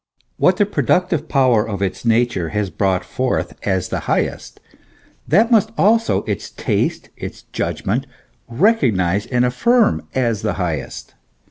What the productive power of its nature has brought forth 8 THE ESSENCE OF CHRISTIANITY. as the highest, that must also its taste, its judgment, recognise and affirm as the highest.